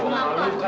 ini rumah lulus